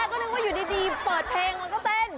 โอ๊ยตอนแรกก็นึกว่าอยู่ดีเปิดเพลงแล้วก็เต้น